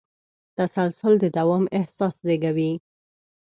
تسلسل د دوام احساس زېږوي.